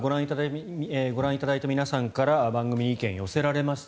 ご覧いただいた皆さんから番組に意見が寄せられました。